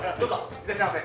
いらっしゃいませ。